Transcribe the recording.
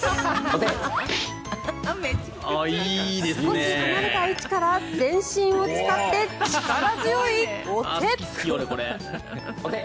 少し離れた位置から全身を使って力強いお手。